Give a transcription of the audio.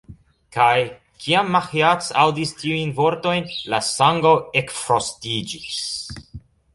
Kaj, kiam Maĥiac aŭdis tiujn vortojn, la sango ekfrostiĝis.